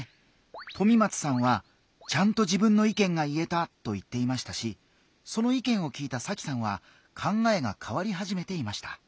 とみまつさんは「ちゃんと自分の意見が言えた」と言っていましたしその意見を聞いたさきさんは考えが変わり始めていました。